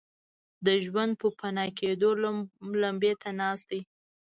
د ژوند پوپناه کېدو لمبې ته ناست دي.